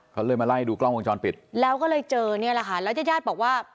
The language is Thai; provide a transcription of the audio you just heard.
เขาเลยมาไล่ดูกล้องวงจรปิดแล้วก็เลยเจอเนี่ยแหละค่ะแล้วยาดบอกว่า